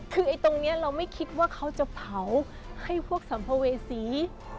คือตรงนี้เราไม่คิดว่าเขาจะเผาให้พวกสัมภเวษี